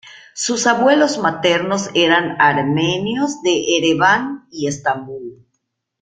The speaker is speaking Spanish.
Sus abuelos maternos eran armenios de Ereván y Estambul.